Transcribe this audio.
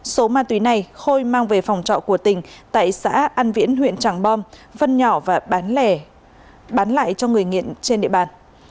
số ma túy này khôi mang về phòng trọ của tỉnh tại xã an viễn huyện tràng bom vân nhỏ và bán lại cho người nghiện trên địa bàn